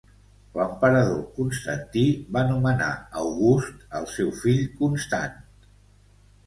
L'emperador Constantí va nomenar august al seu fill Constant.